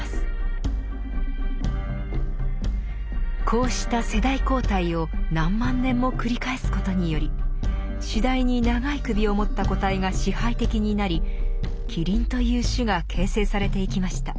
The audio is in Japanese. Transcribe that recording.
こうした世代交代を何万年も繰り返すことにより次第に長い首をもった個体が支配的になりキリンという種が形成されていきました。